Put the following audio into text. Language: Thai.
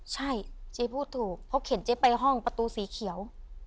ใช่เจ๊พูดถูกเพราะเข็นเจ๊ไปห้องประตูสีเขียว